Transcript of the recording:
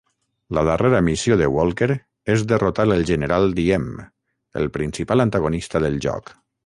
La darrera missió de Walker es derrotar el General Diem, el principal antagonista del joc.